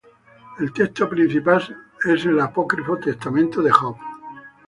El texto principal es el apócrifo Testamento de Job.